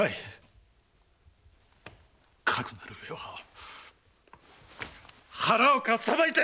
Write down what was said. かくなるうえは腹をかっさばいて！